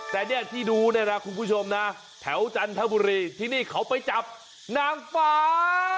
แต่ที่ดูคุณผู้ชมแถวจันทบุรีที่นี่เขาไปจับนางฟ้า